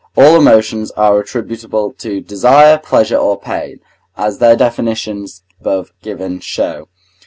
All emotions are attributable to desire, pleasure, or pain, as their definitions above given show.